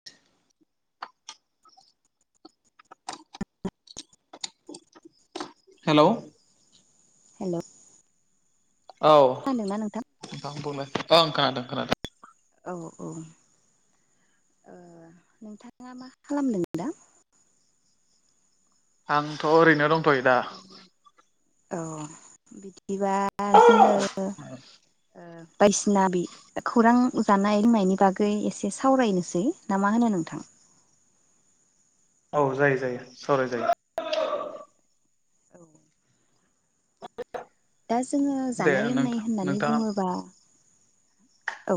[inaudible] हेल' hello औ औ नोंथां खोनादों खोनादों औ औ ओ नोंथाङा मा खालामदों दा? आंथ' ओरैनो दंथ'यो दा। औ बिदिबा जोङो ओ बायदिसिना बि खौरां जानाय-लोंनायनि बागै एसे सावरायनोसै। ना मा होनो नोंथां? औ जायो जायो सावराय जायो। औ [unintelligible] दा जोङो दे जानाय-लोंनाय नोंथां होननानै नोंथाङा बुङोब्ला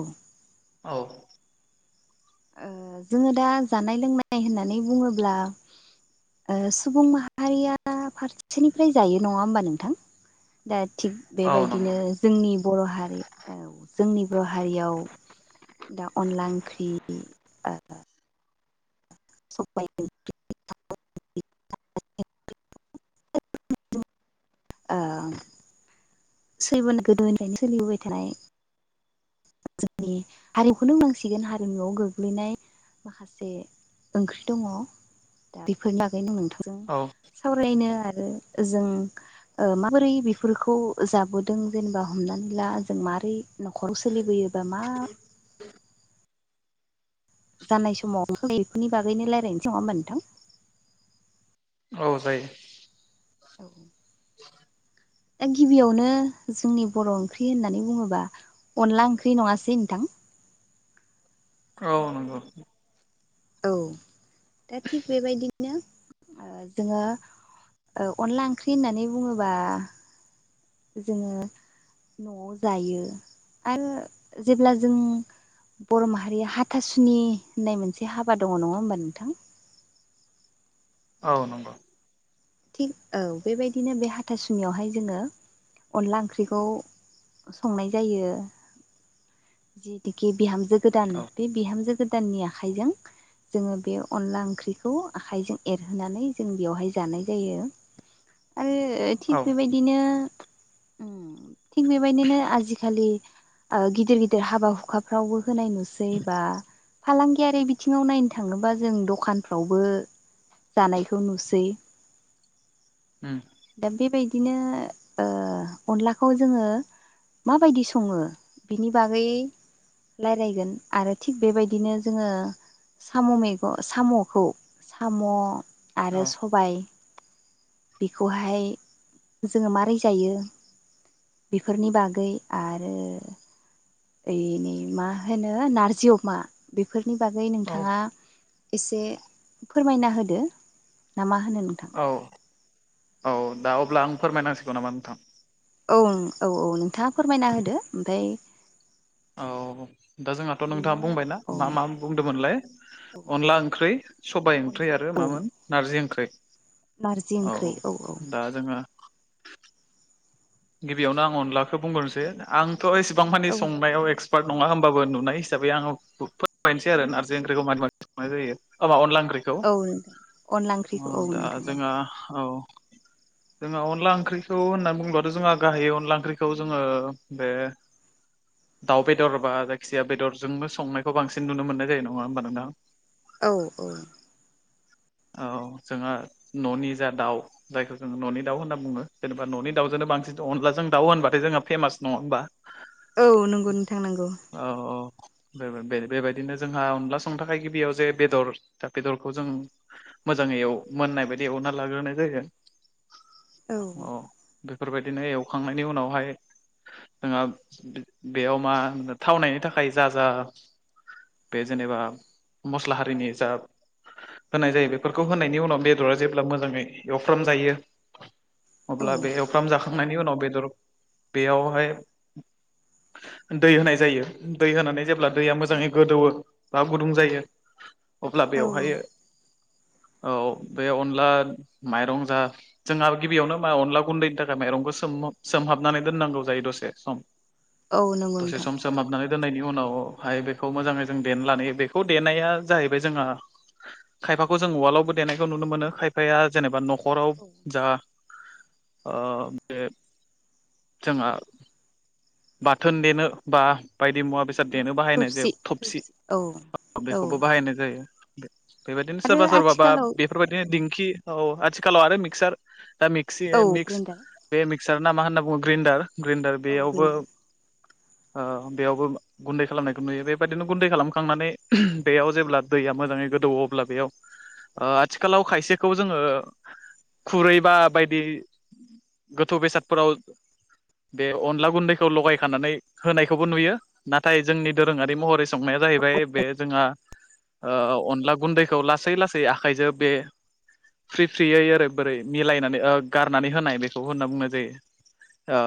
औ औ ओ जोङो दा जानाय-लोंनाय होननानै बुङोब्ला ओ सुबुं माहारिया फारसेनिफ्राय जायो नङा होमबा नोंथां? दा थिग औ बेबायदिनो नंगौ जोंनि बर' हारि औ जोंनि बर' हारियाव दा अनला ओंख्रि [unintelligible] सबाय ओंख्रि ओ [unintelligible] गोदोनिफ्रायनो सोलिबोबाय थानाय जोंनि हारिमुखौनो होननांसिगोन हारिमुआव गोग्लैनाय माखासे ओंख्रि दङ। दा बेफोरनि बागैनो नोंथांजों औ सावरायनो आरो जों माबोरै बेफोरखौ जाबोदों जेनेबा हमनानै ला जों मारै न'खर सोलिबोयोबा मा जानाय समाव बेफोरनि बागैनो रायलायनोसै। नङा होमबा नोंथां? औ जायो। औ औ दा गिबियावनो जोंनि बर' ओंख्रि होननानै बुङोबा अनला ओंख्रि नङासै नोंथां? औ नंगौ। औ दा थिग बेबायदिनो ओ जोङो अनला ओंख्रि होननानै बुङोब्ला जोङो न'आव जायो आरो जेब्ला जों बर' माहारिया हाथासुनि होननाय मोनसे हाबा दङ। नङा होमबा नोंथां? औ नंगौ। थिग औ बेबायदिनो बे हाथासुनियावहाय जोङो अनला ओंख्रिखौ संनाय जायो जिहेथुखि बिहामजो गोदान औ बे बिहामजो गोदा- ननि आखाइजों जोङो बे अनला ओंख्रिखौ आखायजों एरहोनानै जों बेवहाय जानाय जायो आरो थिग औ बेबायदिनो थिग बेबायदिनो आजिखालि गिदिर गिदिर हाबा हुखाफ्रावबो होनाय नुसै। बा फालांगियारि बिथिङाव नायनो थाङोबा जों दखानफ्रावबो जानायखौ नुसै। हम दा बेबायदिनो ओ अनलाखौ जोङो माबायदि सङो बिनि बागै रायज्लायगोन आरो थिग बेबायदिनो जोङो साम' मैगं साम'खौ साम' आरो औ सबाय। बेखौहाय जोङो मारै जायो बेफोरनि बागै आरो ओइ नै मा होनो नारजि अमा बेफोरनि बागै औ नोंथाङा एसे फोरमायना होदो ना मा होनो नोंथां औ औ दा अब्ला आं फोरमायनांसिगौ नामा नोंथां औ औ औ नोंथाङा फोरमायना होदो ओमफ्राय औ दा जोंहाथ' बिनि नोंथाङा उनाव बुंबायनाा औ मा मा बुंदोंमोनलाय औ अनला ओंख्रै सबाय ओंख्रै आरो औ मामोन नारजि ओंख्रै नारजि औ ओंख्रि औ दा जोङो गिबियावनो आं अनलाखौ बुंग्रोसै आंथ' एसेबां मानि औ संनायाव एक्स पार्ट नङा होमबाबो नुनाय हसै आङो फोरमायनसै आरो नारजि ओंख्रिखौ मारै मारै संनाय जायो माबा अनला ओंख्रिखौ नोंथां अनला ओंख्रिखौ ओ औ दा नोंथां जोंहा औ जोंहा अनला ओंख्रिखौ होननानै बुंबा जोंहा गाहायै अनला ओंख्रिखौ जोङो बे दाउ बेदर बा जायखिजाया बेदरजोंबो संनायखौ बांसिन नुनो मोननाय जायो नङा होमबा नोंथां औ औ औ जोंहा न'नि जा दाउ जायखौ जोङ न'नि दाउ होनना बुङो जेनेबा'नि दाउजोंनो बांसिन अनलाजों दाउ होनबाथाय जोंहा फेमास नङा होमबा औ नंगौ नोंथां नंगौ औ औ बे बेबायदिनो जोंहा अनला संनो थाखाय गिबियाव जे बेदर दा बेदरखौ जों मोजाङै एव मोननाय बायदि एवना लाग्रोनाय जायो औ अ बेफोरबायदिनो एवखांनायनि उनावहाय जोंहा बेयाव मा होनो थावनायनि थाखाय जा जा बे जेनेबा मस्ला हारिनि जा होनाय जायो बेफोरखौ होनायनि उनाव बेदरा जेब्ला मोजाङै एवफ्राम जायो औ अब्ला बे एवफ्रामजाखांनायनि उनाव बेदर बेयावहाय दै होनाय जायो दै होनानै जेब्ला दैया औ मोजाङै गोदौवो बा गुदुं जायो अब्ला औ बेवहाय औ बे अनला माइरं जा जोंहा गिबियावनो मा अनला गुन्दैनि थाखाय माइरंखौ सोम-सोमहाबनानै दोननांगौ जायो दसे सम [inaudible] नंगौ दसे नोंथां सम सोम सोमहाबनानै दोननायनि उनावहाय बेखौ मोजाङै जों देना लायो बेखौ देनाया जाहैबाय जोंहा खायफाखौ जों उवालावबो देनायखौ नुनो मोनो खायफाया जेनेबा नखराव औ जा ओ बे जोंहा बाथोन देनो बा बायदि मुवा बेसाद देनो बाहायनाय थौसि जायो थबसि थौसि औ औ बेखौबो बाहायनाय जायो बेबायदिनो आरो सोरबा सोरबा बा आथिखालाव बेफोरबायदिनो दिंखि औ आथिखालाव आरो मिक्सार दा मिक्सि औ मिक्स ग्रेन्डार बे मिक्सार ना मा होन्ना बुङो ग्रिनडार ग्रिनडार औ दे बेयावबो बेयावबो गुन्दै खालामनायखौ नुयो बेबायदिनो गुन्दै खालामखांनानै बेयाव जेब्ला दैया मोजाङै गोदौवो अब्ला बेयाव ओ आथिखालाव खायसेखौ जोङो खुरै बा बायदि गोथौ बेसादफोराव बे अनला गुन्दैखौ लगायखानानै होनायखौबो नुयो नाथाय जोंनि दोरोङारि महरै संनाया जाहैबाय बे जोंहा ओ अनला गुन्दैखौ लासै लासै आखाइजों बे फ्रि फ्रियै ओरै बोरै मिलायनानै गारनानै होनाय बेखौ होनना बुंनाय जायो। ओ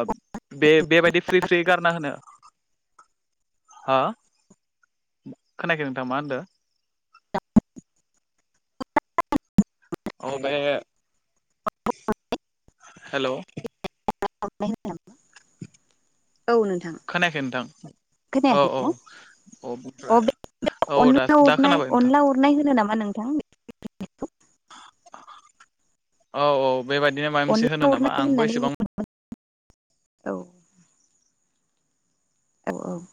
बे बेबायदि फ्रि फ्रि गारना होनो हा खोनायाखै नोंथां मा होनदों औ बे हेलौ [unintelligible] औ नोंथां खोनायाखै नोंथां औ खोनायाखै औ औ ना ओमफ्राय अ बे अनला उरनाय अनला उरनाय होनो नामा नोंथां? औ औ बेबायदिनो माबा मोनसे अनला होनो उरनाय नामा आंबो होननानै एसेबां औ। औ औ।